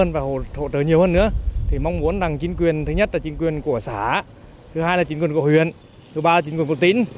và hỗ trợ nhiều hơn nữa thì mong muốn rằng chính quyền thứ nhất là chính quyền của xã thứ hai là chính quyền của huyện thứ ba chính quyền của tỉnh